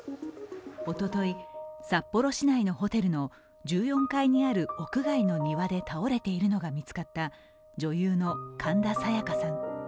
おととい、札幌市内のホテルの１４階にある屋外の庭で倒れているのが見つかった女優の神田沙也加さん。